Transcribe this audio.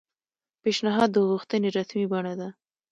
پیشنھاد د غوښتنې رسمي بڼه ده